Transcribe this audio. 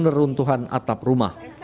neruntuhan atap rumah